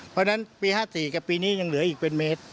เพราะฉะนั้นปี๕๔กับปีนี้ยังเหลืออีกเป็นเมตร